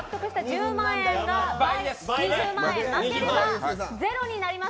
１０万円が倍の２０万円負ければゼロになります。